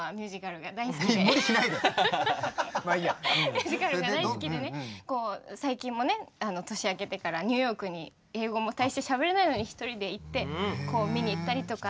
ミュージカルが大好きでね最近もね年明けてからニューヨークに英語も大してしゃべれないのに１人で行って見に行ったりとか。